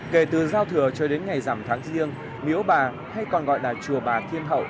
kể từ giao thừa cho đến ngày rằm tháng riêng miễu bà hay còn gọi là chùa bà thiên hậu